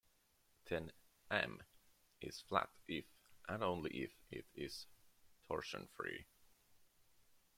Then "M" is flat if and only if it is torsion-free.